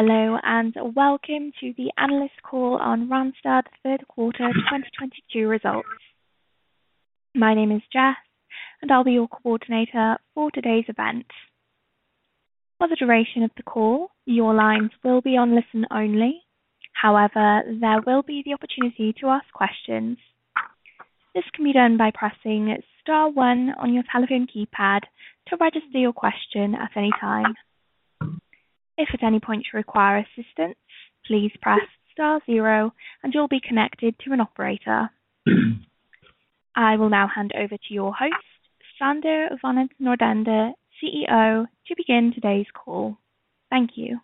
Hello, and welcome to the analyst call on Randstad's third-Q2022 results. My name is Jess, and I'll be your coordinator for today's event. For the duration of the call, your lines will be on listen-only. However, there will be the opportunity to ask questions. This can be done by pressing star one on your telephone keypad to register your question at any time. If at any point you require assistance, please press star zero and you'll be connected to an operator. I will now hand over to your host, Sander van't Noordende, CEO, to begin today's call. Thank you.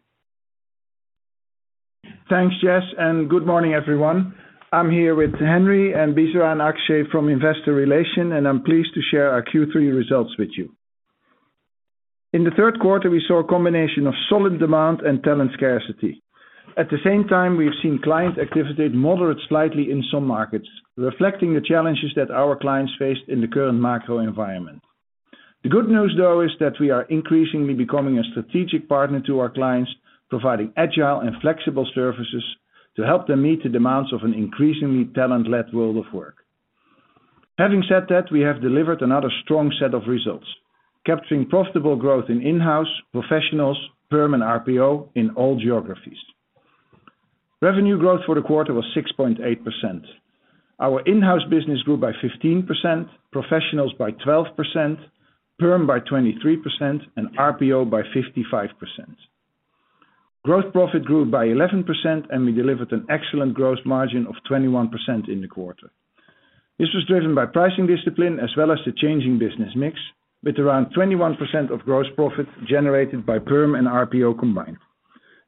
Thanks, Jess. Good morning, everyone. I'm here with Henry and Bisera and Akshay from Investor Relations, I'm pleased to share our Q3 results with you. In the third quarter, we saw a combination of solid demand and talent scarcity. At the same time, we've seen client activity moderate slightly in some markets, reflecting the challenges that our clients faced in the current macro environment. The good news, though, is that we are increasingly becoming a strategic partner to our clients, providing agile and flexible services to help them meet the demands of an increasingly talent-led world of work. Having said that, we have delivered another strong set of results, capturing profitable growth in inhouse, professionals, Perm and RPO in all geographies. Revenue growth for the quarter was 6.8%. Our inhouse business grew by 15%, Professionals by 12%, Perm by 23%, and RPO by 55%. Gross profit grew by 11%, and we delivered an excellent gross margin of 21% in the quarter. This was driven by pricing discipline as well as the changing business mix, with around 21% of gross profit generated by Perm and RPO combined.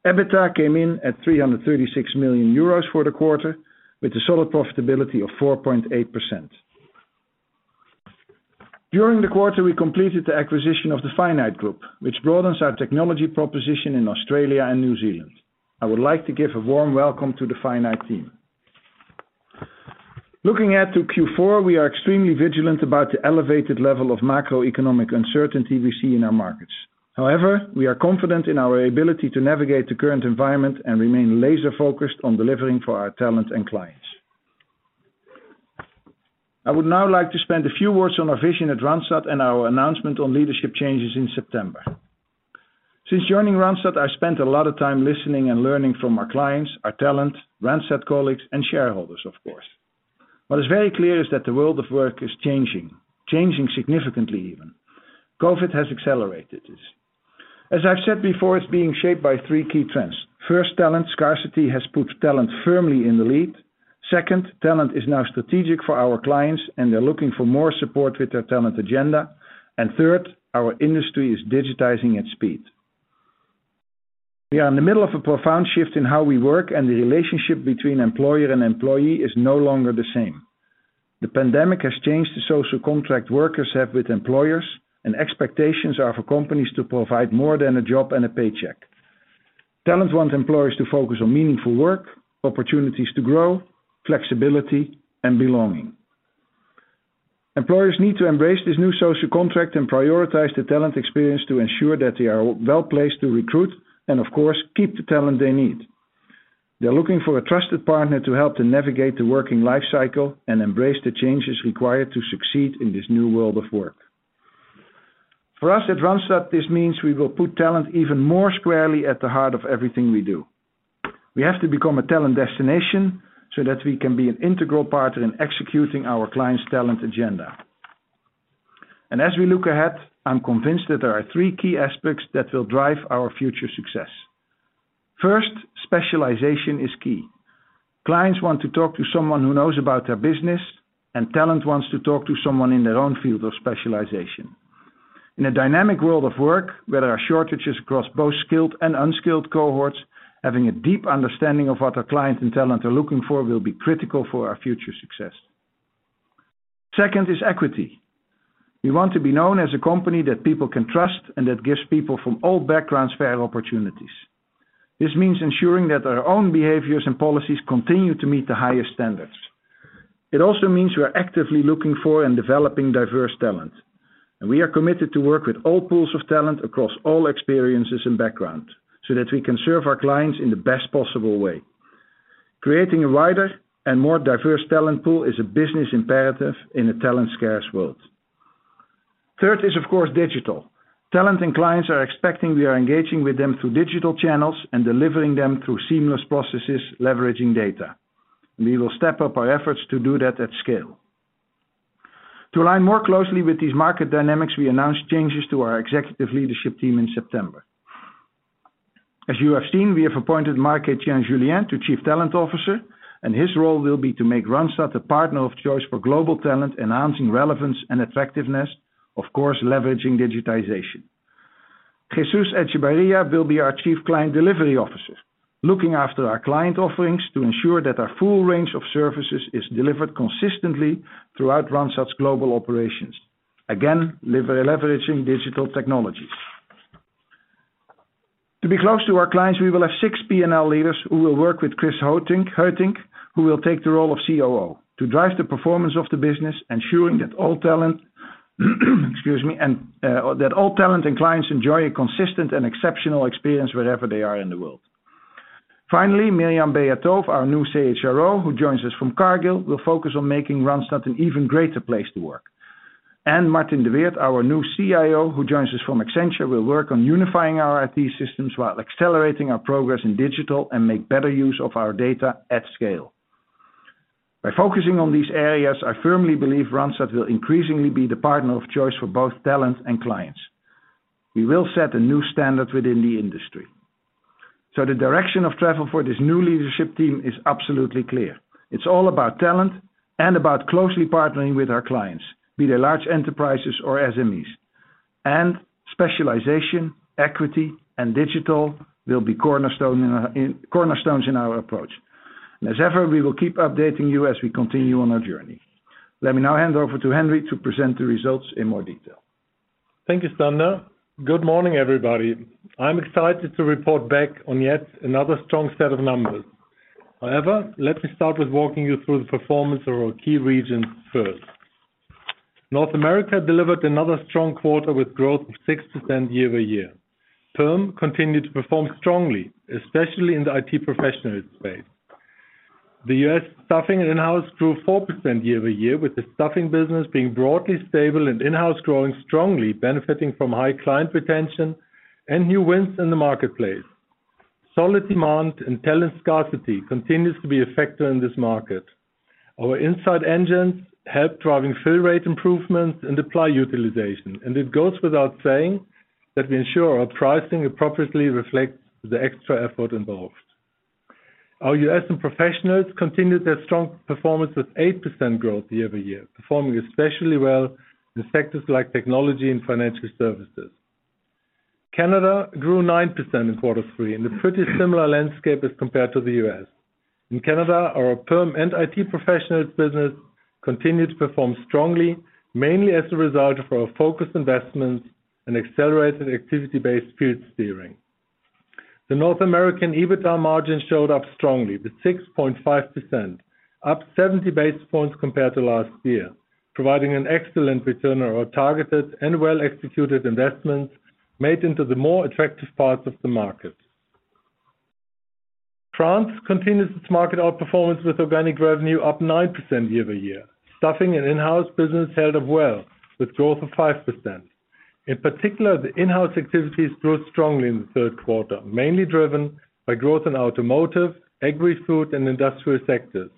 EBITDA came in at 336 million euros for the quarter, with a solid profitability of 4.8%. During the quarter, we completed the acquisition of the Finite Group, which broadens our technology proposition in Australia and New Zealand. I would like to give a warm welcome to the Finite team. Looking ahead to Q4, we are extremely vigilant about the elevated level of macroeconomic uncertainty we see in our markets. However, we are confident in our ability to navigate the current environment and remain laser-focused on delivering for our talent and clients. I would now like to spend a few words on our vision at Randstad and our announcement on leadership changes in September. Since joining Randstad, I spent a lot of time listening and learning from our clients, our talent, Randstad colleagues, and shareholders, of course. What is very clear is that the world of work is changing significantly even. COVID has accelerated this. As I've said before, it's being shaped by three key trends. First, talent scarcity has put talent firmly in the lead. Second, talent is now strategic for our clients, and they're looking for more support with their talent agenda. Third, our industry is digitizing at speed. We are in the middle of a profound shift in how we work and the relationship between employer and employee is no longer the same. The pandemic has changed the social contract workers have with employers, and expectations are for companies to provide more than a job and a paycheck. Talent wants employers to focus on meaningful work, opportunities to grow, flexibility, and belonging. Employers need to embrace this new social contract and prioritize the talent experience to ensure that they are well-placed to recruit and, of course, keep the talent they need. They're looking for a trusted partner to help them navigate the working life cycle and embrace the changes required to succeed in this new world of work. For us at Randstad, this means we will put talent even more squarely at the heart of everything we do. We have to become a talent destination so that we can be an integral partner in executing our clients' talent agenda. As we look ahead, I'm convinced that there are three key aspects that will drive our future success. First, specialization is key. Clients want to talk to someone who knows about their business, and talent wants to talk to someone in their own field of specialization. In a dynamic world of work, where there are shortages across both skilled and unskilled cohorts, having a deep understanding of what our clients and talent are looking for will be critical for our future success. Second is equity. We want to be known as a company that people can trust and that gives people from all backgrounds fair opportunities. This means ensuring that our own behaviors and policies continue to meet the highest standards. It also means we are actively looking for and developing diverse talent. We are committed to work with all pools of talent across all experiences and backgrounds so that we can serve our clients in the best possible way. Creating a wider and more diverse talent pool is a business imperative in a talent-scarce world. Third is, of course, digital. Talent and clients are expecting we are engaging with them through digital channels and delivering them through seamless processes, leveraging data. We will step up our efforts to do that at scale. To align more closely with these market dynamics, we announced changes to our Executive Leadership Team in September. As you have seen, we have appointed Marc-Etienne Julien to Chief Talent Officer. His role will be to make Randstad the partner of choice for global talent, enhancing relevance and effectiveness, of course, leveraging digitization. Jesús Echevarria will be our Chief Client Delivery Officer, looking after our client offerings to ensure that our full range of services is delivered consistently throughout Randstad's global operations. Again, leveraging digital technologies. To be close to our clients, we will have six P&L leaders who will work with Chris Heutink, who will take the role of COO, to drive the performance of the business, ensuring that all talent and clients enjoy a consistent and exceptional experience wherever they are in the world. Finally, Myriam Beatove Moreale, our new CHRO, who joins us from Cargill, will focus on making Randstad an even greater place to work. Martin de Weerdt, our new CIO, who joins us from Accenture, will work on unifying our IT systems while accelerating our progress in digital and make better use of our data at scale. By focusing on these areas, I firmly believe Randstad will increasingly be the partner of choice for both talent and clients. We will set a new standard within the industry. The direction of travel for this new leadership team is absolutely clear. It's all about talent and about closely partnering with our clients, be they large enterprises or SMEs. Specialization, equity, and digital will be cornerstones in our approach. As ever, we will keep updating you as we continue on our journey. Let me now hand over to Henry to present the results in more detail. Thank you, Sander. Good morning, everybody. I'm excited to report back on yet another strong set of numbers. Let me start with walking you through the performance of our key regions first. North America delivered another strong quarter with growth of 6% year-over-year. Perm continued to perform strongly, especially in the IT professional space. The U.S. staffing and inhouse grew 4% year-over-year, with the staffing business being broadly stable and inhouse growing strongly, benefiting from high client retention and new wins in the marketplace. Solid demand and talent scarcity continues to be a factor in this market. Our inside engines help driving fill rate improvements and apply utilization. It goes without saying that we ensure our pricing appropriately reflects the extra effort involved. Our U.S. professionals continued their strong performance with 8% growth year-over-year, performing especially well in sectors like technology and financial services. Canada grew 9% in Q3, in a pretty similar landscape as compared to the U.S. In Canada, our Perm and IT professionals business continued to perform strongly, mainly as a result of our focused investments and accelerated activity-based field steering. The North American EBITDA margin showed up strongly, with 6.5%, up 70 basis points compared to last year, providing an excellent return on our targeted and well-executed investments made into the more attractive parts of the market. France continues its market outperformance, with organic revenue up 9% year-over-year. Staffing and inhouse business held up well, with growth of 5%. In particular, the inhouse activities grew strongly in the third quarter, mainly driven by growth in automotive, agri-food, and industrial sectors.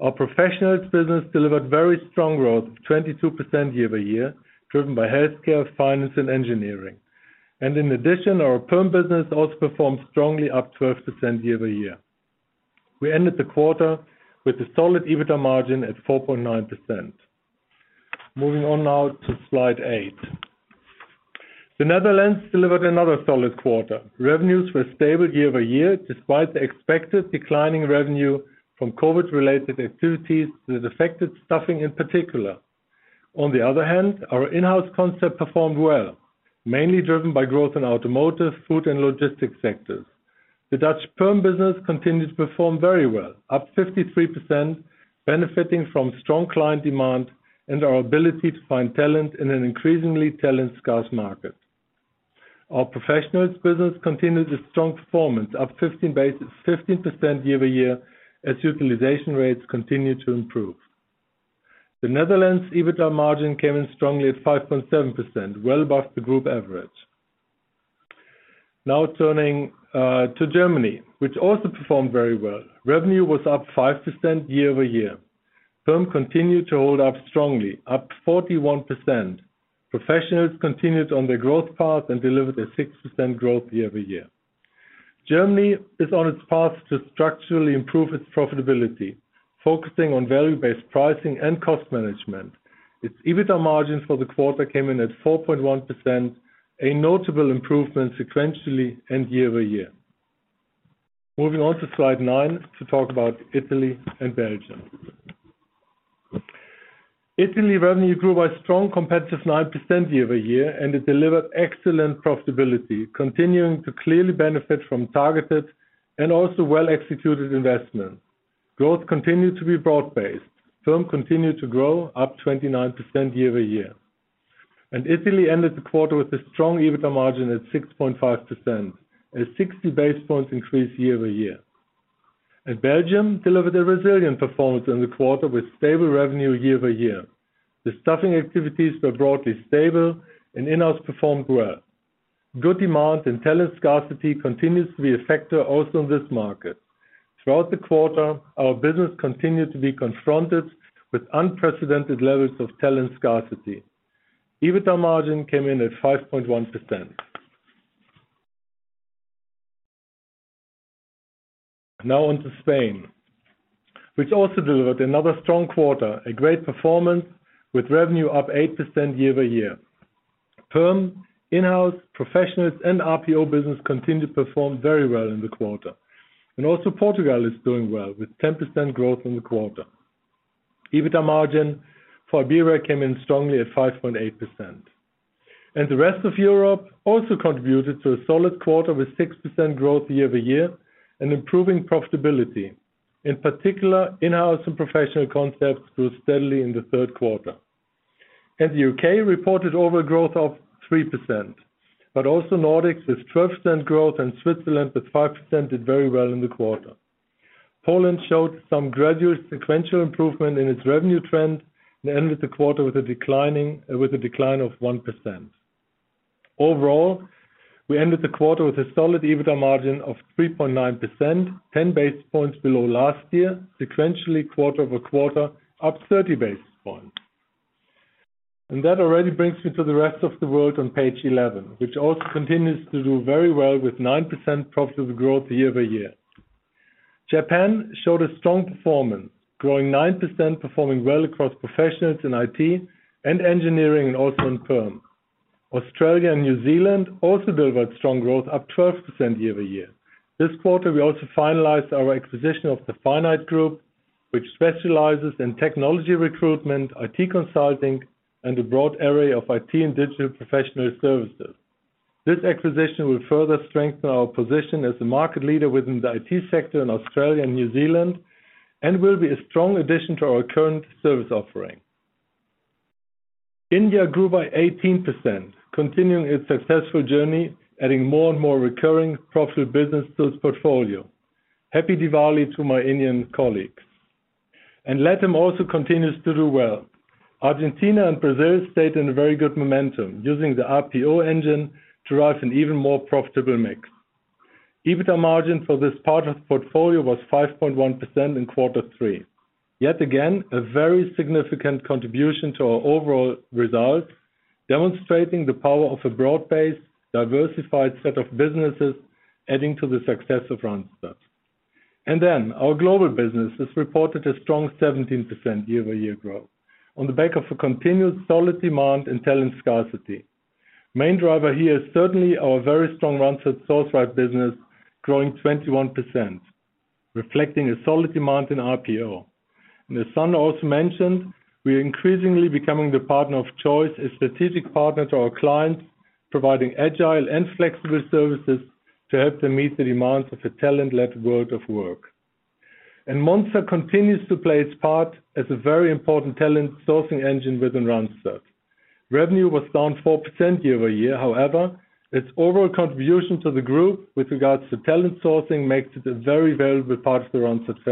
Our professionals business delivered very strong growth of 22% year-over-year, driven by healthcare, finance, and engineering. In addition, our Perm business also performed strongly, up 12% year-over-year. We ended the quarter with a solid EBITDA margin at 4.9%. Moving on now to Slide 8. The Netherlands delivered another solid quarter. Revenues were stable year-over-year, despite the expected declining revenue from COVID-related activities that affected staffing in particular. The other hand, our inhouse concept performed well, mainly driven by growth in automotive, food, and logistics sectors. The Dutch Perm business continued to perform very well, up 53%, benefiting from strong client demand and our ability to find talent in an increasingly talent-scarce market. Our professionals business continued its strong performance, up 15% year-over-year, as utilization rates continued to improve. The Netherlands EBITDA margin came in strongly at 5.7%, well above the Group Average. Turning to Germany, which also performed very well. Revenue was up 5% year-over-year. Perm continued to hold up strongly, up 41%. Professionals continued on their growth path and delivered a 6% growth year-over-year. Germany is on its path to structurally improve its profitability, focusing on value-based pricing and cost management. Its EBITDA margin for the quarter came in at 4.1%, a notable improvement sequentially and year-over-year. Moving on to Slide 9 to talk about Italy and Belgium. Italy revenue grew by a strong competitive 9% year-over-year. It delivered excellent profitability, continuing to clearly benefit from targeted and also well-executed investments. Growth continued to be broad based. Perm continued to grow, up 29% year-over-year. Italy ended the quarter with a strong EBITDA margin at 6.5%, a 60 basis points increase year-over-year. Belgium delivered a resilient performance in the quarter with stable revenue year-over-year. The Staffing activities were broadly stable, and inhouse performed well. Good demand and talent scarcity continues to be a factor also in this market. Throughout the quarter, our business continued to be confronted with unprecedented levels of talent scarcity. EBITDA margin came in at 5.1%. Now on to Spain, which also delivered another strong quarter, a great performance with revenue up 8% year-over-year. Perm, inhouse, professionals, and RPO business continued to perform very well in the quarter. Portugal is doing well, with 10% growth in the quarter. EBITDA margin for Iberia came in strongly at 5.8%. The rest of Europe also contributed to a solid quarter with 6% growth year-over-year and improving profitability. In particular, inhouse and professional concepts grew steadily in the third quarter. The U.K. reported overall growth of 3%. Also Nordics with 12% growth and Switzerland with 5% did very well in the quarter. Poland showed some gradual sequential improvement in its revenue trend and ended the quarter with a decline of 1%. Overall, we ended the quarter with a solid EBITDA margin of 3.9%, 10 basis points below last year, sequentially quarter-over-quarter up 30 basis points. That already brings me to the rest of the world on page 11, which also continues to do very well with 9% profitable growth year-over-year. Japan showed a strong performance, growing 9%, performing well across Professionals in IT and engineering and also in Perm. Australia and New Zealand also delivered strong growth, up 12% year-over-year. This quarter, we also finalized our acquisition of the Finite Group, which specializes in technology recruitment, IT consulting, and a broad array of IT and digital professional services. This acquisition will further strengthen our position as the market leader within the IT sector in Australia and New Zealand and will be a strong addition to our current service offering. India grew by 18%, continuing its successful journey, adding more and more recurring profitable business to its portfolio. Happy Diwali to my Indian colleagues. LATAM also continues to do well. Argentina and Brazil stayed in a very good momentum, using the RPO engine to drive an even more profitable mix. EBITDA margin for this part of the portfolio was 5.1% in Q3. Again, a very significant contribution to our overall result, demonstrating the power of a broad-based, diversified set of businesses adding to the success of Randstad. Our global business has reported a strong 17% year-over-year growth on the back of a continued solid demand and talent scarcity. Main driver here is certainly our very strong Randstad Sourceright business growing 21%, reflecting a solid demand in RPO. As Sander also mentioned, we are increasingly becoming the partner of choice, a strategic partner to our clients, providing agile and flexible services to help them meet the demands of a talent-led world of work. Monster continues to play its part as a very important talent sourcing engine within Randstad. Revenue was down 4% year-over-year. However, its overall contribution to the group with regards to talent sourcing makes it a very valuable part of the Randstad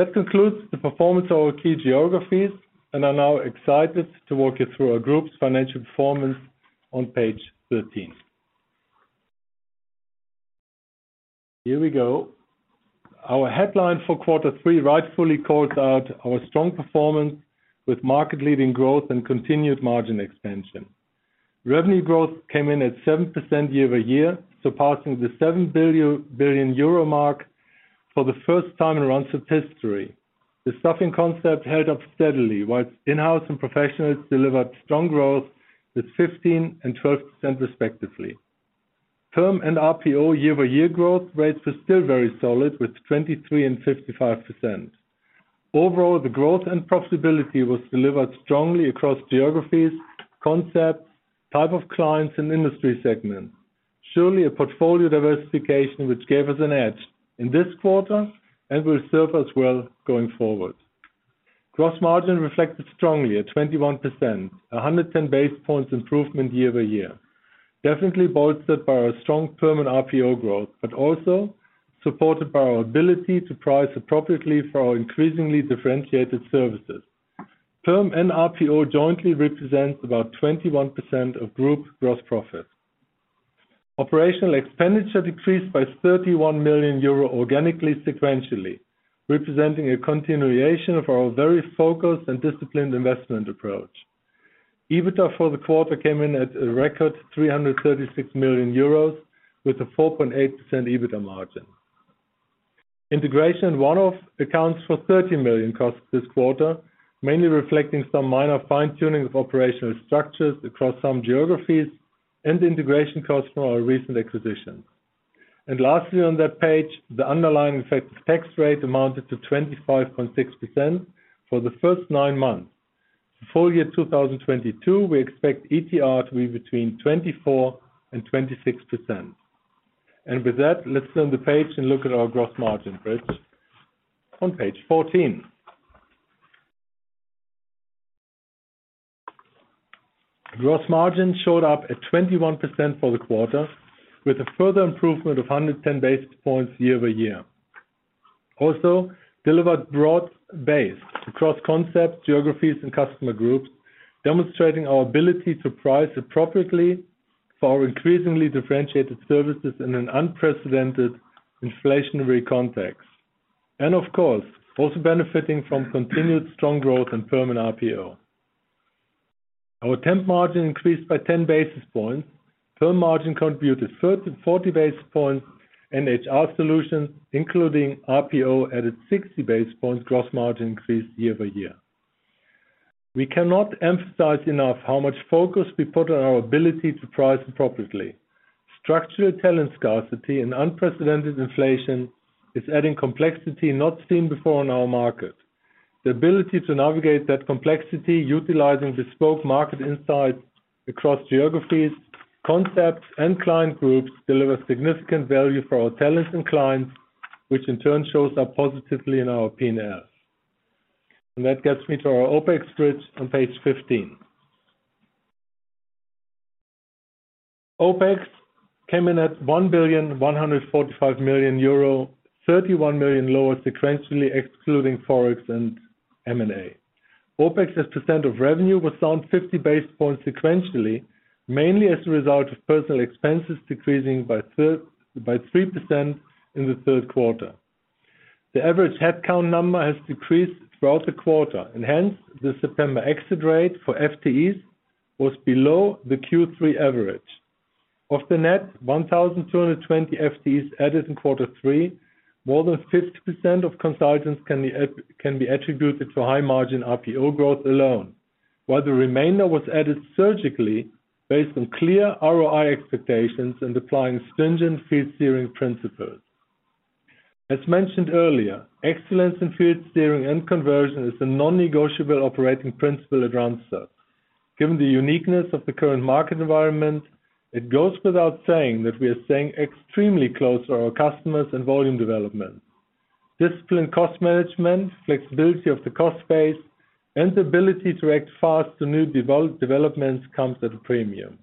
family. That concludes the performance of our key geographies. I'm now excited to walk you through our group's financial performance on page 13. Here we go. Our headline for Q3 rightfully calls out our strong performance with market-leading growth and continued margin expansion. Revenue growth came in at 7% year-over-year, surpassing the 7 billion euro mark for the first time in Randstad history. The staffing concept held up steadily, while inhouse and Professionals delivered strong growth with 15% and 12% respectively. Perm and RPO year-over-year growth rates were still very solid with 23% and 55%. Overall, the growth and profitability was delivered strongly across geographies, concepts, types of clients and industry segments. Surely a portfolio diversification which gave us an edge in this quarter and will serve us well going forward. Gross margin reflected strongly at 21%, 110 basis points improvement year-over-year. Definitely bolstered by our strong Perm and RPO growth, but also supported by our ability to price appropriately for our increasingly differentiated services. Perm and RPO jointly represents about 21% of group gross profits. Operational expenditure decreased by 31 million euro organically sequentially, representing a continuation of our very focused and disciplined investment approach. EBITDA for the quarter came in at a record 336 million euros with a 4.8% EBITDA margin. Integration one-off accounts for 30 million costs this quarter, mainly reflecting some minor fine-tuning of operational structures across some geographies and integration costs from our recent acquisitions. Lastly on that page, the underlying effective tax rate amounted to 25.6% for the first nine months. For full year 2022, we expect ETR to be between 24% and 26%. With that, let's turn the page and look at our gross margin bridge on page 14. Gross margin showed up at 21% for the quarter with a further improvement of 110 basis points year-over-year. Delivered broad-based across concepts, geographies, and customer groups, demonstrating our ability to price appropriately for our increasingly differentiated services in an unprecedented inflationary context. Of course, also benefiting from continued strong growth in Perm and RPO. Our temp margin increased by 10 basis points. Perm margin contributed 40 basis points and HR solutions, including RPO, added 60 basis points gross margin increase year-over-year. We cannot emphasize enough how much focus we put on our ability to price appropriately. Structural talent scarcity and unprecedented inflation is adding complexity not seen before in our market. The ability to navigate that complexity utilizing bespoke market insights across geographies, concepts, and client groups delivers significant value for our talents and clients, which in turn shows up positively in our P&L. That gets me to our OpEx bridge on page 15. OpEx came in at 1,145 million euro, 31 million lower sequentially, excluding forex and M&A. OpEx as a % of revenue was down 50 basis points sequentially, mainly as a result of personnel expenses decreasing by 3% in the third quarter. The average headcount number has decreased throughout the quarter, and hence, the September exit rate for FTEs was below the Q3 average. Of the net 1,220 FTEs added in Q3, more than 50% of consultants can be attributed to high-margin RPO growth alone. While the remainder was added surgically based on clear ROI expectations and applying stringent field steering principles. As mentioned earlier, excellence in field steering and conversion is a non-negotiable operating principle at Randstad. Given the uniqueness of the current market environment, it goes without saying that we are staying extremely close to our customers and volume development. Disciplined cost management, flexibility of the cost base, and the ability to act fast to new developments comes at a premium.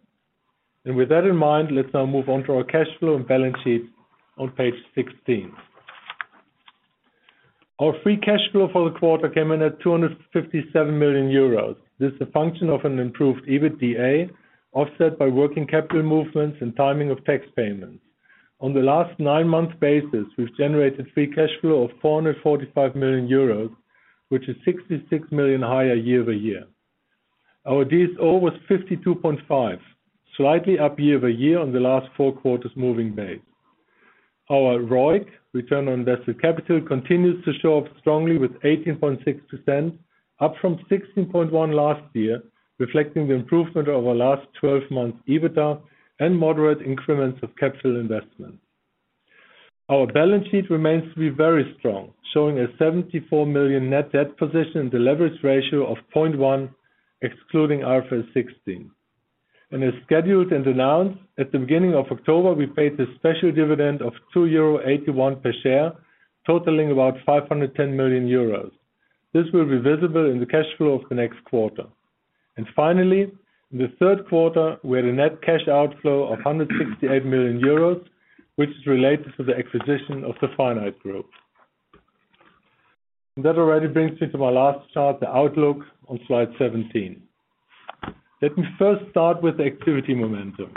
With that in mind, let's now move on to our cash flow and balance sheet on page 16. Our free cash flow for the quarter came in at 257 million euros. This is a function of an improved EBITDA, offset by working capital movements and timing of tax payments. On the last nine-month basis, we've generated free cash flow of 445 million euros, which is 66 million higher year-over-year. Our DSO was 52.5, slightly up year-over-year on the last four quarters moving base. Our ROIC, return on invested capital, continues to show up strongly with 18.6%, up from 16.1% last year, reflecting the improvement over the last 12 months EBITDA and moderate increments of capital investment. Our balance sheet remains to be very strong, showing a 74 million net debt position and a leverage ratio of 0.1, excluding IFRS 16. As scheduled and announced at the beginning of October, we paid a special dividend of 2.81 euro per share, totaling about 510 million euros. This will be visible in the cash flow of the next quarter. Finally, in the third quarter, we had a net cash outflow of 168 million euros, which is related to the acquisition of the Finite Group. That already brings me to my last chart, the outlook on slide 17. Let me first start with the activity momentum.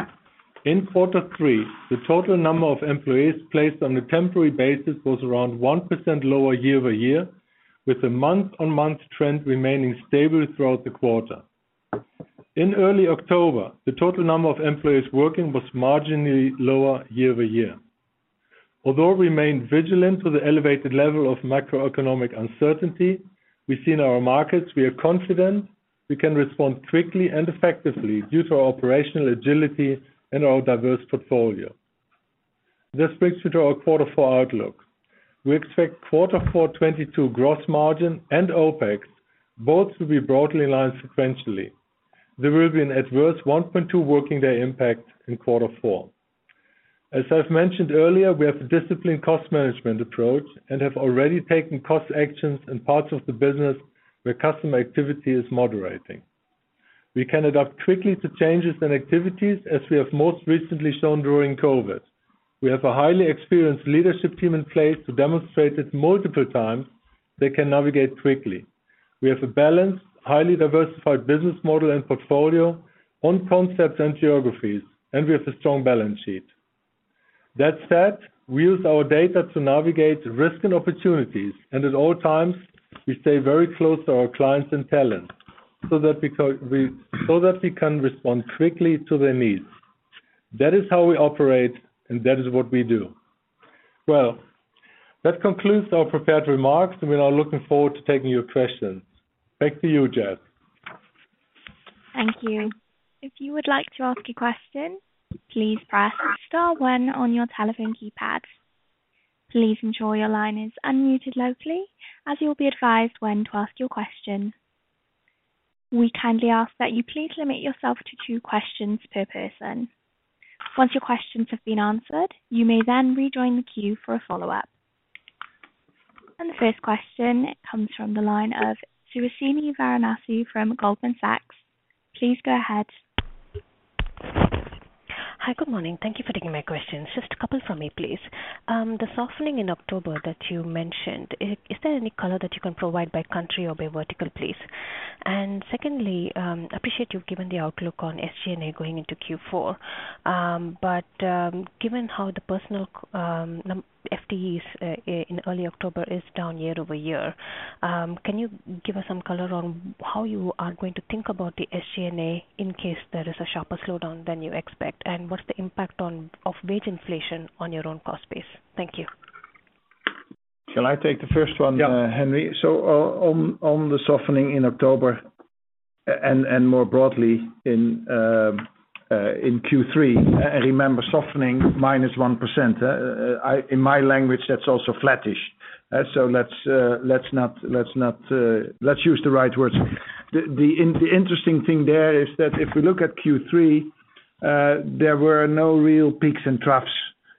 In Q3, the total number of employees placed on a temporary basis was around 1% lower year-over-year, with the month-on-month trend remaining stable throughout the quarter. In early October, the total number of employees working was marginally lower year-over-year. We remain vigilant to the elevated level of macroeconomic uncertainty we see in our markets, we are confident we can respond quickly and effectively due to our operational agility and our diverse portfolio. This brings me to our Q4 outlook. We expect Q4 2022 gross margin and OpEx both to be broadly in line sequentially. There will be an adverse 1.2 working-day impact in Q4. As I've mentioned earlier, we have a disciplined cost management approach and have already taken cost actions in parts of the business where customer activity is moderating. We can adapt quickly to changes in activities, as we have most recently shown during COVID. We have a highly experienced leadership team in place to demonstrate it multiple times they can navigate quickly. We have a balanced, highly diversified business model and portfolio on concepts and geographies, and we have a strong balance sheet. That said, we use our data to navigate risk and opportunities, and at all times we stay very close to our clients and talent so that we can respond quickly to their needs. That is how we operate, and that is what we do. Well, that concludes our prepared remarks. We are now looking forward to taking your questions. Back to you, Jess. Thank you. If you would like to ask a question, please press star one on your telephone keypad. Please ensure your line is unmuted locally as you will be advised when to ask your question. We kindly ask that you please limit yourself to two questions per person. Once your questions have been answered, you may then rejoin the queue for a follow-up. The first question comes from the line of Suhasini Varanasi from Goldman Sachs. Please go ahead. Hi. Good morning. Thank you for taking my questions. Just a couple for me, please. The softening in October that you mentioned, is there any color that you can provide by country or by vertical, please? Secondly, appreciate you've given the outlook on SG&A going into Q4. Given how the personnel FTEs in early October is down year-over-year, can you give us some color on how you are going to think about the SG&A in case there is a sharper slowdown than you expect? What's the impact of wage inflation on your own cost base? Thank you. Shall I take the first one, Henry? Yeah. On the softening in October and more broadly in Q3, and remember softening -1%. In my language, that's also flattish. Let's not. Let's use the right words. The interesting thing there is that if we look at Q3, there were no real peaks and troughs,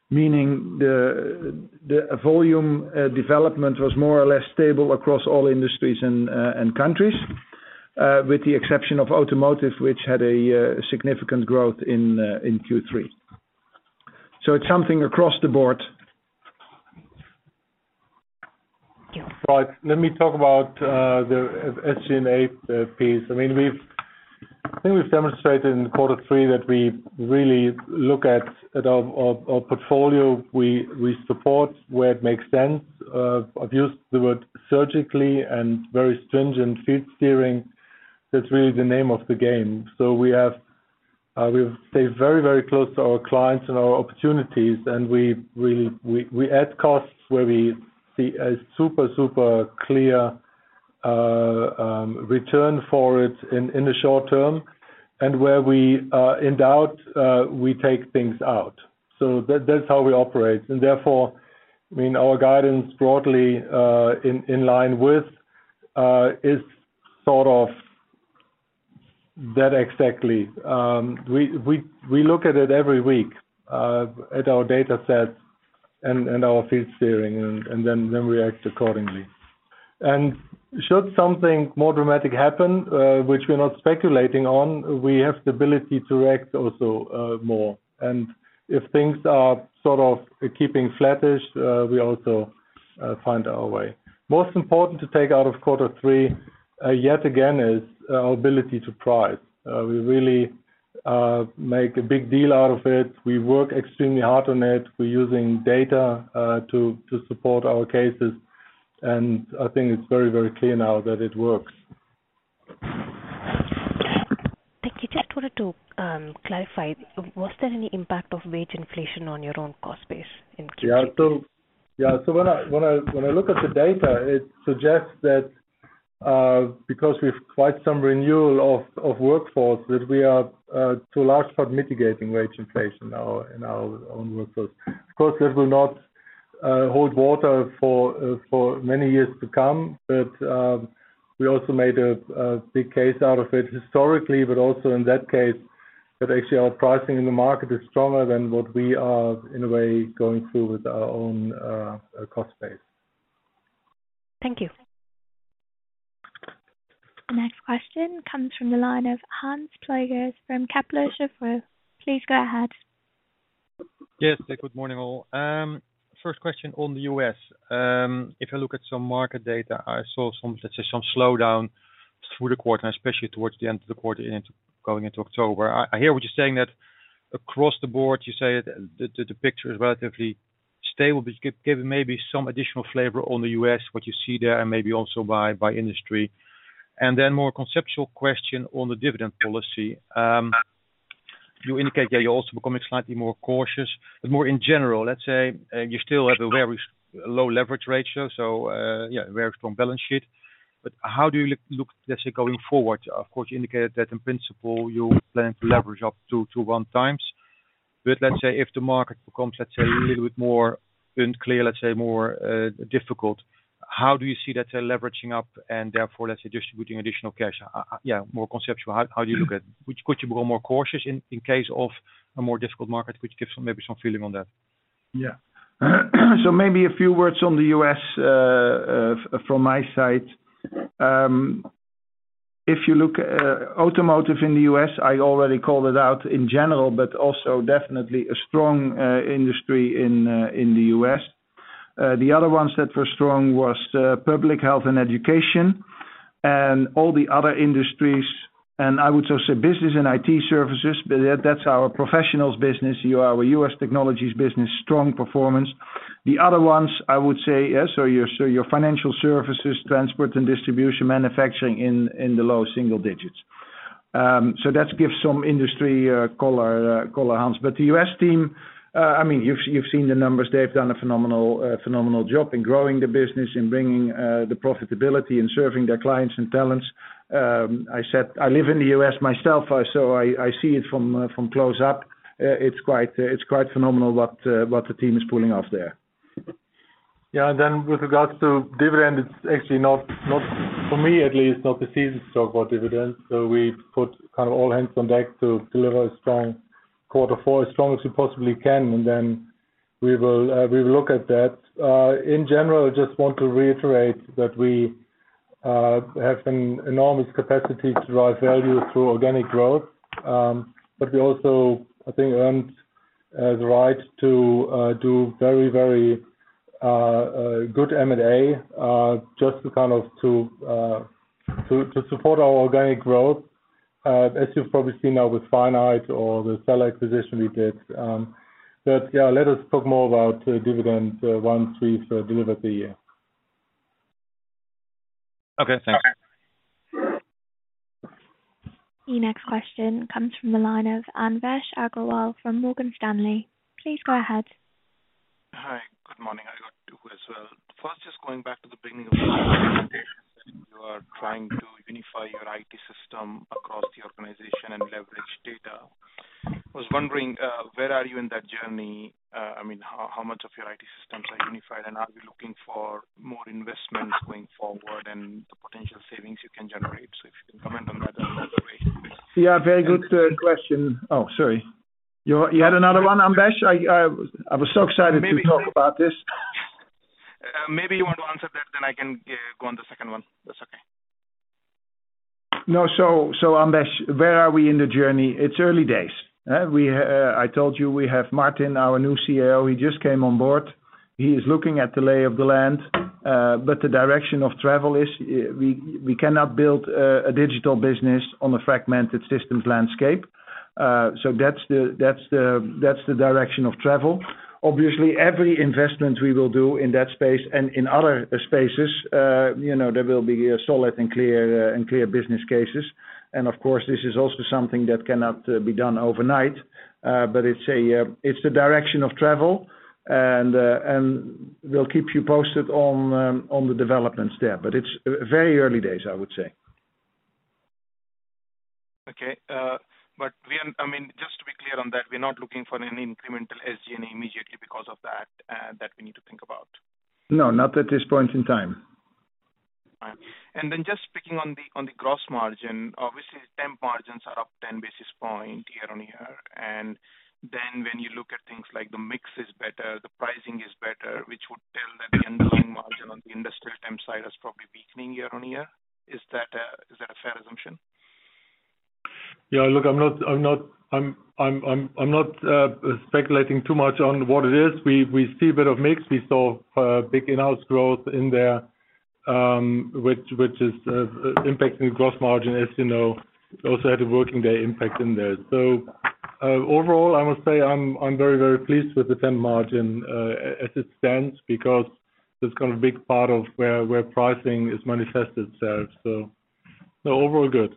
meaning the volume development was more or less stable across all industries and countries, with the exception of automotive, which had a significant growth in Q3. It's something across the board. Right. Let me talk about the SG&A piece. I mean, I think we've demonstrated in Q3 that we really look at our portfolio we support where it makes sense. I've used the word surgically and very stringent field steering. That's really the name of the game. We have, we stay very close to our clients and our opportunities and we add costs where we see a super clear return for it in the short term, and where we are in doubt, we take things out. That's how we operate. I mean, our guidance broadly in line with is sort of that exactly. We look at it every week at our data set and our field steering and then we act accordingly. Should something more dramatic happen, which we're not speculating on, we have the ability to act also more. If things are sort of keeping flattish, we also find our way. Most important to take out of Q3, yet again, is our ability to price. We really make a big deal out of it. We work extremely hard on it. We're using data to support our cases, and I think it's very clear now that it works. Thank you. Just wanted to clarify. Was there any impact of wage inflation on your own cost base in Q3? Yeah. Yeah. When I look at the data, it suggests that because we've quite some renewal of workforce, that we are to a large part mitigating wage inflation in our own workforce. Of course, this will not hold water for many years to come, but we also made a big case out of it historically, but also in that case that actually our pricing in the market is stronger than what we are in a way going through with our own cost base. Thank you. The next question comes from the line of Simon Van Oppen from Kepler Cheuvreux. Please go ahead. Yes. Good morning, all. First question on the U.S. If you look at some market data, I saw some, let's say, some slowdown through the quarter and especially towards the end of the quarter going into October. I hear what you're saying that across the board, you say that the picture is relatively stable. Give maybe some additional flavor on the U.S., what you see there and maybe also by industry. Then more conceptual question on the dividend policy. You indicate that you're also becoming slightly more cautious, but more in general, let's say, you still have a very low leverage ratio, so, yeah, very strong balance sheet. How do you look, let's say, going forward? Of course, you indicated that in principle you plan to leverage up to one times. let's say if the market becomes, let's say, a little bit more unclear, let's say more difficult, how do you see that leveraging up and therefore, let's say, distributing additional cash? Yeah, more conceptual. How do you look at? Could you be more cautious in case of a more difficult market? Which gives maybe some feeling on that. Yeah. Maybe a few words on the U.S. from my side. If you look, automotive in the U.S., I already called it out in general, but also definitely a strong industry in the U.S. The other ones that were strong was public health and education and all the other industries. I would also say business and IT services, but that's our professionals business. You know, our U.S. technologies business, strong performance. The other ones I would say, yeah, so your financial services, transport and distribution, manufacturing in the low single digits. That gives some industry color, Van. The U.S. team, I mean, you've seen the numbers. They've done a phenomenal job in growing the business, in bringing, the profitability, in serving their clients and talents. I said I live in the U.S. myself, so I see it from close up. It's quite phenomenal what the team is pulling off there. Yeah. With regards to dividend, it's actually not for me at least, not the season to talk about dividends. We put kind of all hands on deck to deliver a strong Q4, as strong as we possibly can and then we will, we will look at that. In general, I just want to reiterate that we have an enormous capacity to drive value through organic growth. We also, I think, earned the right to do very, very good M&A, just to kind of to support our organic growth. You've probably seen now with Finite or the Side acquisition we did. Yeah, let us talk more about dividend once we've delivered the year. Okay. Thanks. The next question comes from the line of Anvesh Agrawal from Morgan Stanley. Please go ahead. Hi, good morning. I got two as well. First, just going back to the beginning of the presentation that you are trying to unify your IT system across the organization and leverage data. I was wondering, where are you in that journey? I mean, how much of your IT systems are unified, and are you looking for more investments going forward and the potential savings you can generate? If you can comment on that observation, please. Yeah, very good question. Oh, sorry. You had another one, Anvesh? I was so excited to talk about this. Maybe you want to answer that, then I can go on the second one, if that's okay. No, Anvesh Agrawal, where are we in the journey? It's early days. I told you we have Martin, our new CIO, he just came on board. He is looking at the lay of the land, but the direction of travel is, we cannot build a digital business on a fragmented systems landscape. That's the direction of travel. Obviously, every investment we will do in that space and in other spaces, you know, there will be a solid and clear business cases. Of course, this is also something that cannot be done overnight, but it's the direction of travel and we'll keep you posted on the developments there. It's very early days, I would say. Okay. I mean, just to be clear on that, we're not looking for any incremental SG&A immediately because of that we need to think about? No, not at this point in time. All right. Just picking on the, on the gross margin. Obviously, temp margins are up 10 basis points year-on-year. When you look at things like the mix is better, the pricing is better, which would tell that the underlying margin on the industrial temp side is probably weakening year on year. Is that, is that a fair assumption? Yeah, look, I'm not speculating too much on what it is. We see a bit of mix. We saw big inhouse growth in there, which is impacting gross margin, as you know. Also had a working day impact in there. Overall, I must say I'm very pleased with the temp margin as it stands because that's kind of a big part of where pricing is manifested itself. Overall good.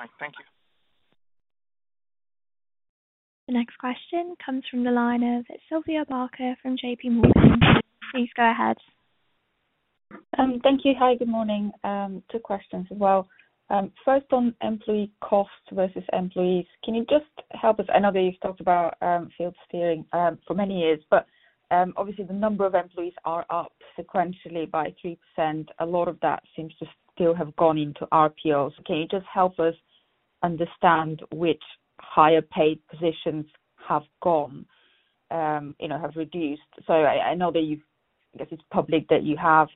Okay, fine. Thank you. The next question comes from the line of Sylvia Barker from JPMorgan. Please go ahead. Thank you. Hi, good morning. Two questions as well. First on employee cost versus employees. Can you just help us? I know that you've talked about field steering for many years, but obviously the number of employees are up sequentially by 3%. A lot of that seems to still have gone into RPOs. Can you just help us understand which higher paid positions have gone, you know, have reduced? I know that I guess it's public that you have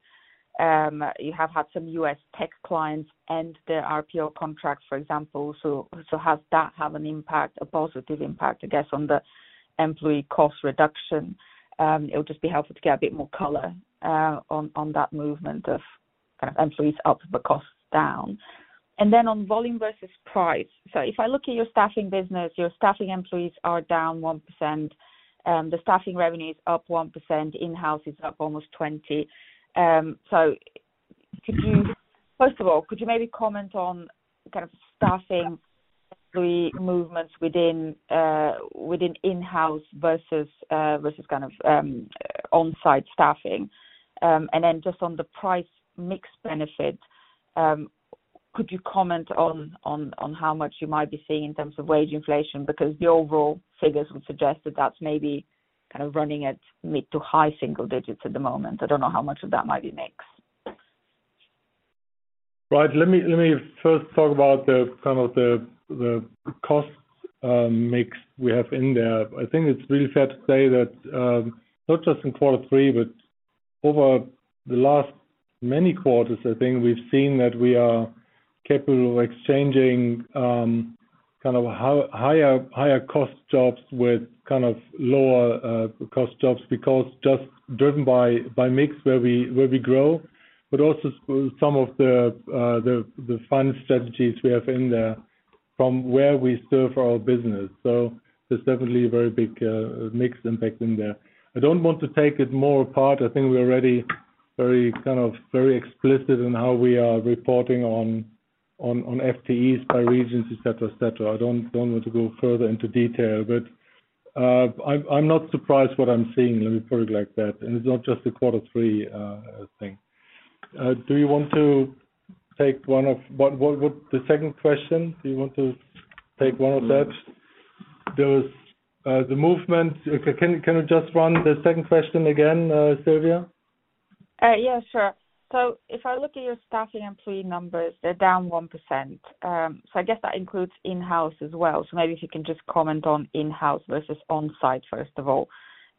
had some U.S. tech clients and their RPO contracts, for example. Has that have an impact, a positive impact, I guess, on the employee cost reduction? It would just be helpful to get a bit more color on that movement of kind of employees up, but costs down. On volume versus price. If I look at your staffing business, your staffing employees are down 1%, the staffing revenue is up 1%, inhouse is up almost 20. First of all, could you maybe comment on kind of staffing employee movements within inhouse versus kind of, on-site staffing? Just on the price mix benefit, could you comment on, on how much you might be seeing in terms of wage inflation? Because the overall figures would suggest that that's maybe kind of running at mid-to-high single digits at the moment. I don't know how much of that might be mix. Right. Let me first talk about the kind of the cost mix we have in there. I think it's really fair to say that not just in Q3, but over the last many quarters, I think we've seen that we are capable of exchanging kind of higher cost jobs with kind of lower cost jobs because just driven by mix where we, where we grow, but also some of the finance strategies we have in there from where we serve our business. There's definitely a very big mix impact in there. I don't want to take it more apart. I think we're already very kind of very explicit in how we are reporting on FTEs by regions, etc. I don't want to go further into detail, but I'm not surprised what I'm seeing. Let me put it like that. It's not just a Q3 thing. The second question, do you want to take one of that? There is the movement. Can you just run the second question again, Sylvia? Yeah, sure. If I look at your staffing employee numbers, they're down 1%. I guess that includes inhouse as well. Maybe if you can just comment on inhouse versus on-site, first of all.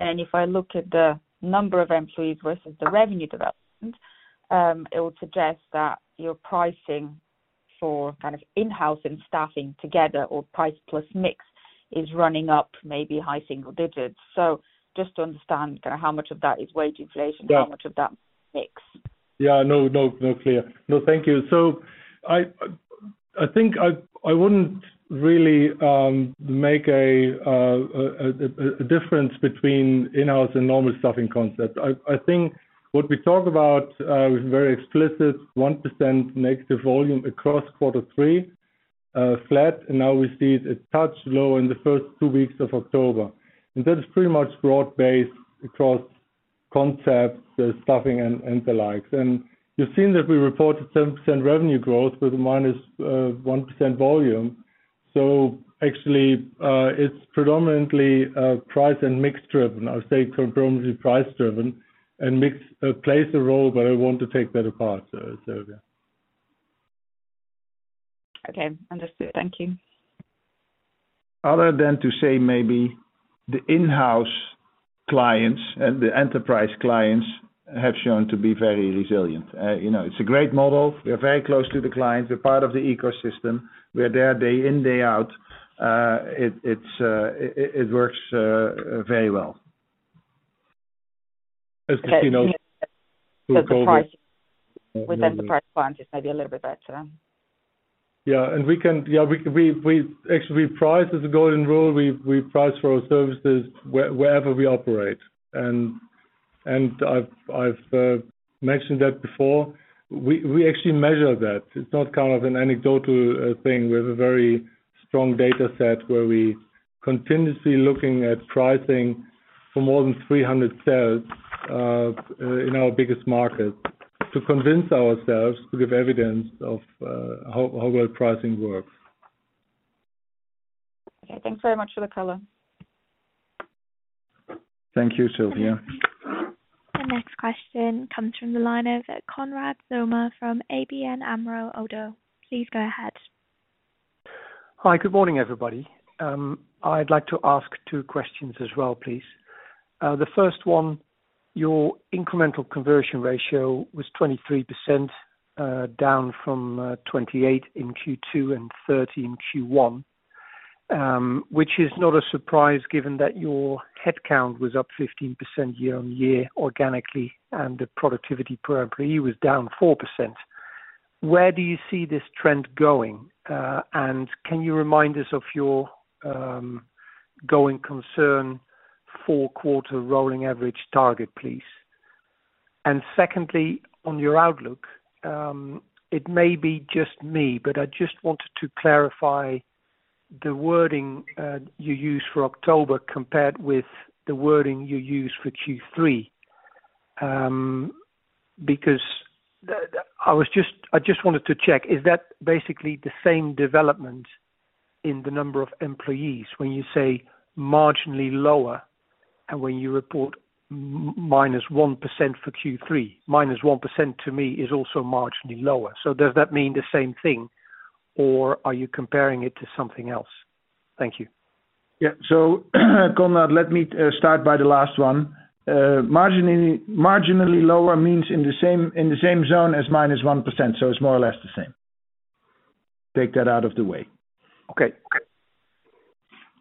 If I look at the number of employees versus the revenue development, it would suggest that your pricing for kind of inhouse and staffing together or price plus mix is running up maybe high single digits. Just to understand kind of how much of that is wage inflation- Yeah. How much of that mix. Yeah. No, no clear. No, thank you. I think I wouldn't really make a difference between inhouse and normal staffing concept. I think what we talk about, with very explicit 1% negative volume across Q3, flat, and now we see it a touch low in the first two weeks of October. That is pretty much broad-based across concepts, the staffing and the likes. You've seen that we reported 7% revenue growth with -1% volume. Actually, it's predominantly price and mix driven. I would say predominantly price driven and mix plays a role, but I want to take that apart, Sylvia. Okay. Understood. Thank you. Other than to say maybe the inhouse clients and the enterprise clients have shown to be very resilient. you know, it's a great model. We are very close to the client. We're part of the ecosystem. We are there day in, day out. it's, it works, very well. Okay. As casinos through COVID- The price within the price point is maybe a little bit better. Yeah. Yeah, we actually price as a golden rule. We price for our services wherever we operate. I've mentioned that before. We actually measure that. It's not kind of an anecdotal thing. We have a very strong data set where we continuously looking at pricing for more than 300 sales in our biggest market to convince ourselves to give evidence of how well pricing works. Okay. Thanks very much for the color. Thank you, Sylvia. The next question comes from the line of Konrad Zomer from ABN AMRO Oddo BHF. Please go ahead. Hi. Good morning, everybody. I'd like to ask two questions as well, please. The first one, your incremental conversion ratio was 23%, down from 28% in Q2 and 30% in Q1, which is not a surprise given that your headcount was up 15% year-on-year organically, and the productivity per employee was down 4%. Where do you see this trend going? Can you remind us of your going concern four quarter rolling average target, please? Secondly, on your outlook, it may be just me, but I just wanted to clarify the wording you used for October compared with the wording you used for Q3. Because I just wanted to check, is that basically the same development in the number of employees when you say marginally lower and when you report -1% for Q3? -1% to me is also marginally lower. Does that mean the same thing or are you comparing it to something else? Thank you. Yeah. Konrad, let me start by the last one. Marginally lower means in the same zone as -11%, so it's more or less the same. Take that out of the way.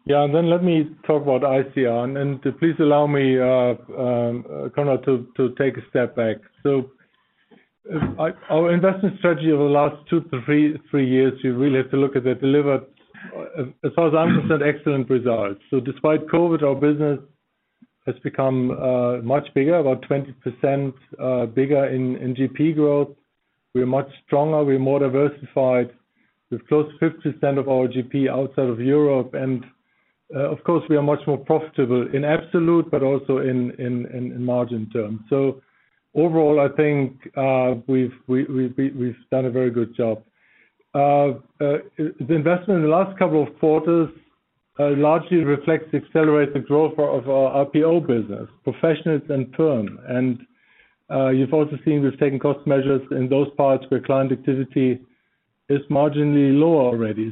OkayLet me talk about ICR. Please allow me, Konrad Zomer, to take a step back. Our investment strategy over the last two to three years, you really have to look at it, delivered 1,000% excellent results. Despite COVID, our business has become much bigger, about 20% bigger in GP growth. We're much stronger, we're more diversified. We've closed 50% of our GP outside of Europe. Of course, we are much more profitable in absolute but also in margin terms. Overall, I think we've done a very good job. The investment in the last couple of quarters largely reflects the accelerated growth of our RPO business, Professionals and Perm. You've also seen we've taken cost measures in those parts where client activity is marginally lower already.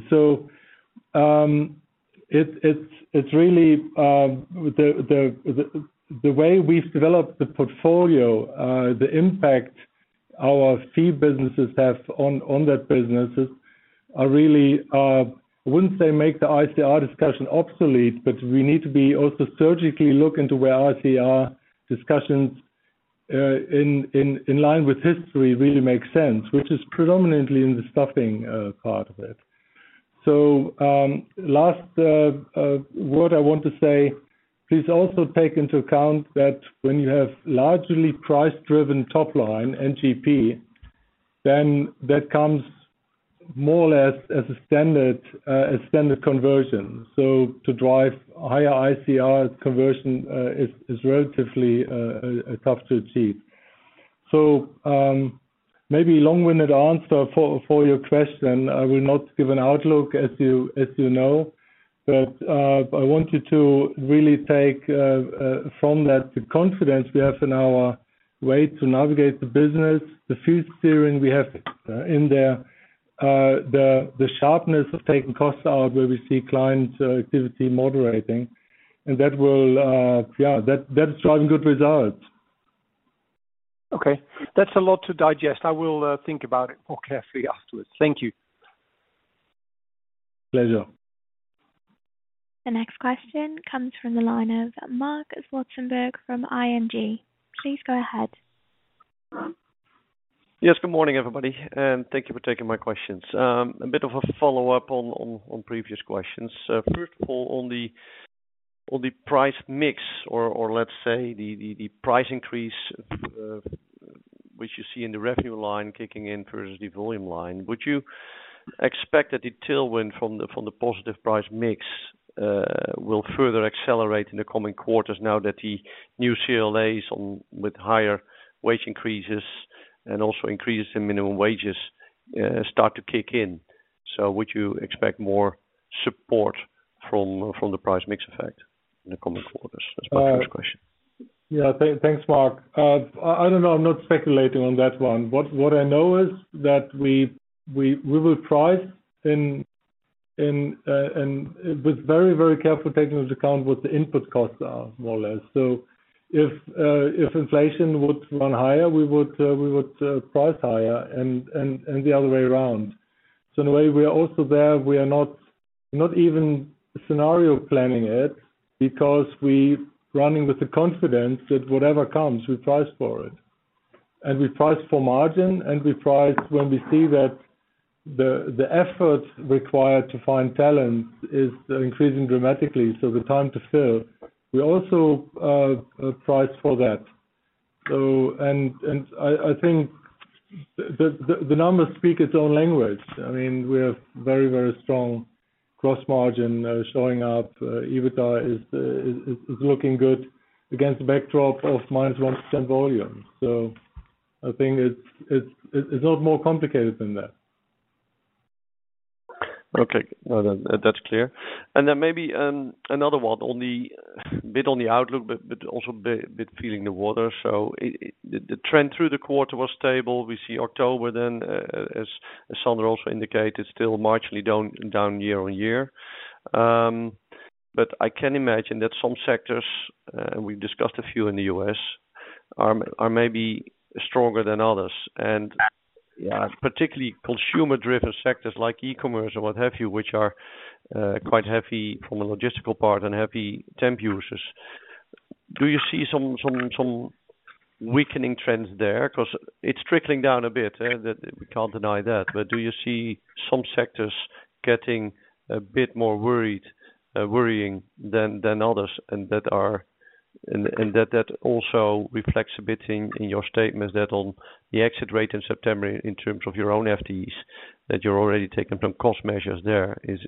It's really the way we've developed the portfolio, the impact our fee businesses have on that businesses are really, wouldn't say make the ICR discussion obsolete, but we need to be also surgically look into where ICR discussions in line with history really makes sense, which is predominantly in the staffing part of it. Last word I want to say, please also take into account that when you have largely price-driven top line, NGP, then that comes more or less as a standard, a standard conversion. To drive higher ICR conversion is relatively tough to achieve. Maybe long-winded answer for your question. I will not give an outlook as you know. I want you to really take from that the confidence we have in our way to navigate the business, the few steering we have in there, the sharpness of taking costs out where we see client activity moderating. That will, yeah, that is driving good results. Okay. That's a lot to digest. I will think about it more carefully afterwards. Thank you. Pleasure. The next question comes from the line of Marc Zwartsenburg from ING. Please go ahead. Yes, good morning, everybody, and thank you for taking my questions. A bit of a follow-up on previous questions. First of all, on the price mix or let's say the price increase, which you see in the revenue line kicking in versus the volume line. Would you expect that the tailwind from the positive price mix will further accelerate in the coming quarters now that the new CLAs on with higher wage increases and also increases in minimum wages start to kick in? Would you expect more support from the price mix effect in the coming quarters? That's my first question. Yeah. Thanks, Marc. I don't know. I'm not speculating on that one. What I know is that we will price in, with very, very careful taking into account what the input costs are, more or less. If inflation would run higher, we would price higher and the other way around. In a way, we are also there. We are not even scenario planning it because we're running with the confidence that whatever comes, we price for it. We price for margin, and we price when we see that the efforts required to find talent is increasing dramatically, so the time to fill. We also price for that. I think the numbers speak its own language. I mean, we have very, very strong gross margin showing up. EBITDA is looking good against the backdrop of -1% volume. I think it's not more complicated than that. Okay. No, that's clear. Then maybe another one on the bit on the outlook, but also bit feeling the water. It the trend through the quarter was stable. We see October then, as Sander also indicated, still marginally down year-on-year. But I can imagine that some sectors, and we've discussed a few in the U.S., are maybe stronger than others. Yeah. -particularly consumer-driven sectors like e-commerce or what have you, which are quite heavy from a logistical part and heavy temp users. Do you see some weakening trends there? It's trickling down a bit that we can't deny that. Do you see some sectors getting a bit more worrying than others, and that also reflects a bit in your statements that on the exit rate in September in terms of your own FTEs, that you're already taking some cost measures there. Is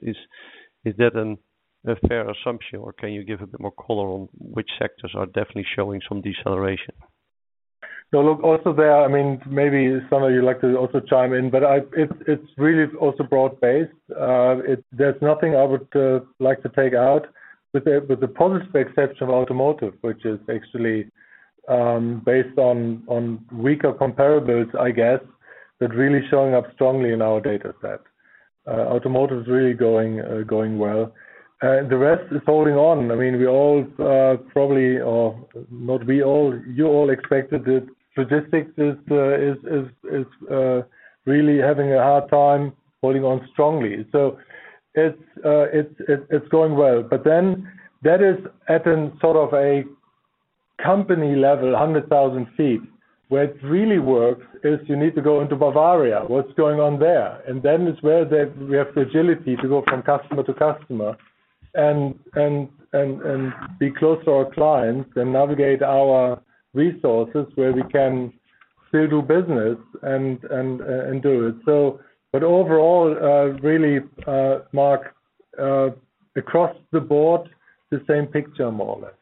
that a fair assumption or can you give a bit more color on which sectors are definitely showing some deceleration? Look, also there, I mean, maybe Sander, you'd like to also chime in, but it's really also broad-based. There's nothing I would like to take out. With the positive exception of automotive, which is actually, based on weaker comparables, I guess, that really showing up strongly in our data set. Automotive is really going well. The rest is holding on. I mean, we all, probably or not we all, you all expected it. Logistics is really having a hard time holding on strongly. It's, it's going well. That is at a sort of a company level, 100,000 ft. Where it really works is you need to go into Bavaria, what's going on there. It's where we have agility to go from customer to customer and be close to our clients and navigate our resources where we can still do business and do it. Overall, really, Marc, across the Board, the same picture more or less.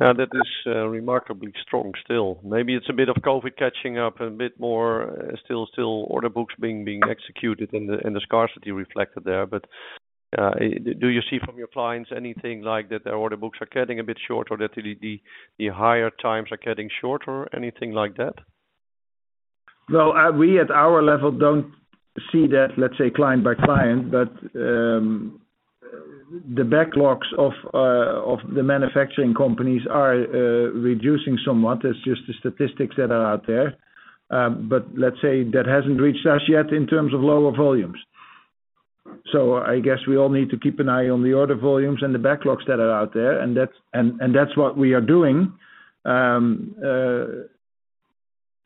Yeah. That is remarkably strong still. Maybe it's a bit of COVID catching up a bit more, still order books being executed and the scarcity reflected there. Do you see from your clients anything like that their order books are getting a bit shorter or that the higher times are getting shorter? Anything like that? Well, we at our level don't see that, let's say client by client, but the backlogs of the manufacturing companies are reducing somewhat. It's just the statistics that are out there. Let's say that hasn't reached us yet in terms of lower volumes. I guess we all need to keep an eye on the order volumes and the backlogs that are out there, and that's what we are doing.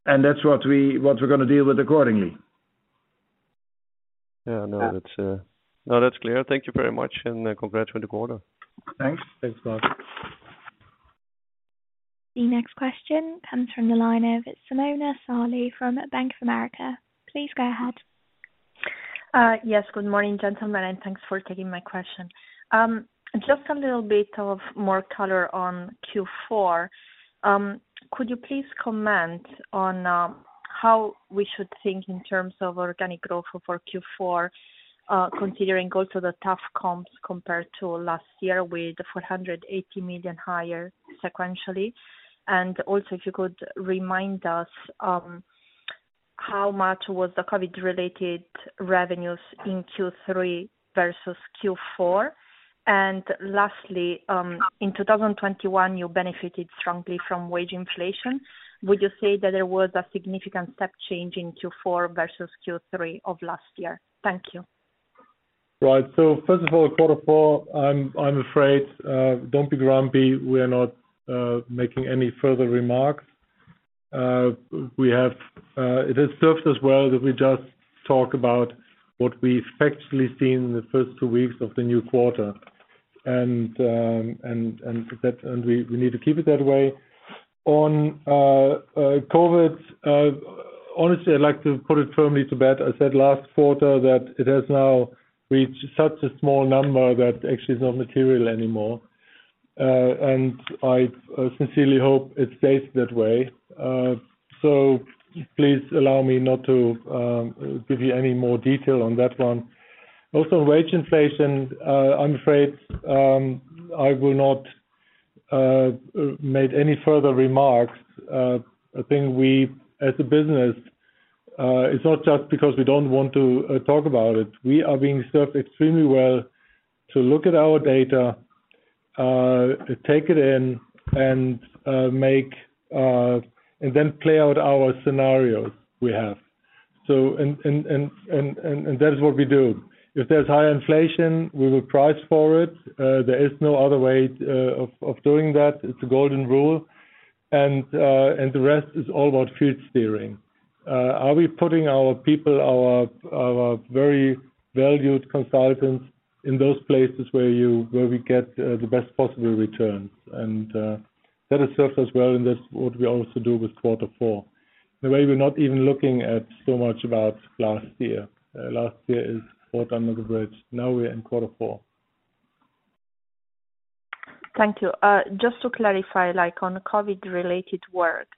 That's what we're gonna deal with accordingly. Yeah. No, that's clear. Thank you very much, and congrats for the quarter. Thanks. Thanks, Marc. The next question comes from the line of Simona Sarli from Bank of America. Please go ahead. Yes. Good morning, gentlemen, and thanks for taking my question. Just a little bit of more color on Q4. Could you please comment on how we should think in terms of organic growth for Q4, considering also the tough comparables compared to last year with the 480 million higher sequentially? Also if you could remind us, how much was the COVID-related revenues in Q3 versus Q4? Lastly, in 2021, you benefited strongly from wage inflation. Would you say that there was a significant step change in Q4 versus Q3 of last year? Thank you. Right. First of all, Q4, I'm afraid, don't be grumpy. We're not making any further remarks. It has served us well that we just talk about what we've factually seen in the first two weeks of the new quarter. That and we need to keep it that way. On COVID, honestly, I'd like to put it firmly to bed. I said last quarter that it has now reached such a small number that actually is not material anymore. I sincerely hope it stays that way. Please allow me not to give you any more detail on that one. Wage inflation, I'm afraid, I will not make any further remarks. I think we, as a business, it's not just because we don't want to talk about it. We are being served extremely well to look at our data, take it in, and make and then play out our scenarios we have. That is what we do. If there's high inflation, we will price for it. There is no other way of doing that. It's a golden rule. The rest is all about field steering. Are we putting our people, our very valued consultants in those places where we get the best possible returns? That has served us well in this, what we also do with Q4. The way we're not even looking at so much about last year. Last year is water under the bridge. Now we're in Q4. Thank you. Just to clarify, like on COVID-related work,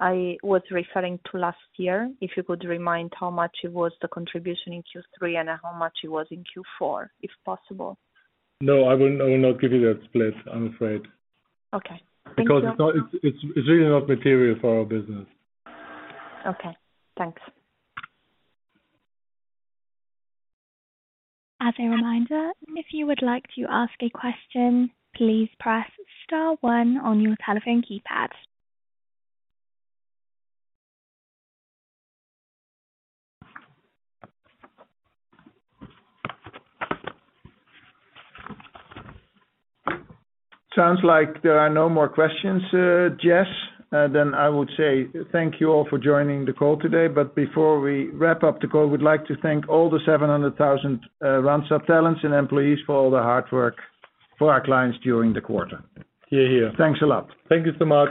I was referring to last year. If you could remind how much it was the contribution in Q3 and how much it was in Q4, if possible. No, I will, I will not give you that split, I'm afraid. Okay. Thank you. It's really not material for our business. Okay. Thanks. As a reminder, if you would like to ask a question, please press star one on your telephone keypad. Sounds like there are no more questions, Jess. I would say thank you all for joining the call today. Before we wrap up the call, we'd like to thank all the 700,000 Randstad talents and employees for all the hard work for our clients during the quarter. Hear, hear. Thanks a lot. Thank you so much.